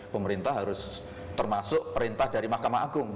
pemerintah harus termasuk perintah dari mahkamah agung